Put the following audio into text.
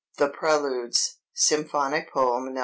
"THE PRELUDES," SYMPHONIC POEM (No.